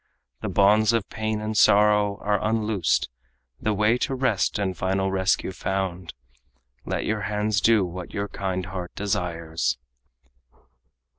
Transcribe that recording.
The bonds of pain and sorrow are unloosed; The way to rest and final rescue found. Let your hands do what your kind heart desires."